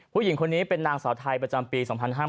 ผู้หญิงคนนี้เป็นนางสาวไทยประจำปี๒๕๕๙